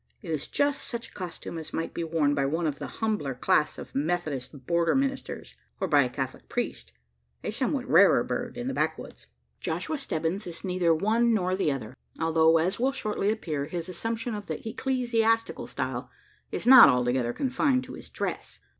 It is just such a costume as might be worn by one of the humbler class of Methodist border Ministers, or by a Catholic priest a somewhat rarer bird in the backwoods. Joshua Stebbins is neither one nor the other; although, as will shortly appear, his assumption of the ecclesiastical style is not altogether confined to his dress.